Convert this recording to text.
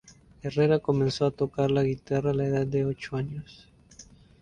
Herrera comenzó a tocar la guitarra a la edad de ocho años.